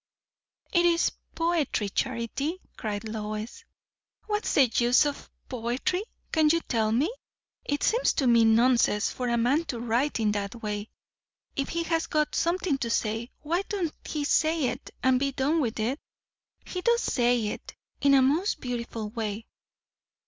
"It is poetry, Charity," cried Lois. "What's the use o' poetry? can you tell me? It seems to me nonsense for a man to write in that way. If he has got something to say, why don't he say it, and be done with it?" "He does say it, in a most beautiful way."